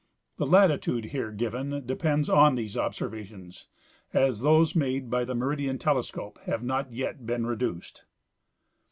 The latitude here given depends on, these observations, as those made by the meridian telescope have not yet been reduced.